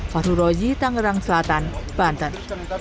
faru roji tangerang selatan banten